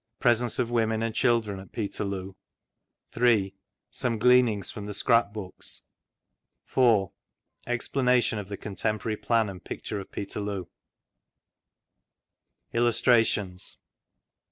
Presence of women and children at Peterloo. 3. Some gleanings from the Scrap Books. 4 Eiplanation of th« Contemporary Flan ajid Picture at P«terloo. 3369::; vGoogIc Illustrations.